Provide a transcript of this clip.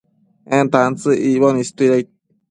en tantsëc icboc istuidaid